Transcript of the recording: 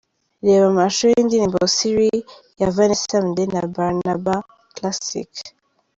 Reba amashusho y'indirimbo 'Siri' ya Vanessa Mdee ft Barnaba Classic .